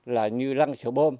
là như lăn sợ bom